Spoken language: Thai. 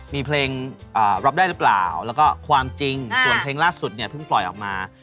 มีเพลงรับได้หรือเปล่าแล้วก็ความจริงส่วนเพลงล่าสุดเนี่ยเพิ่งปล่อยออกมา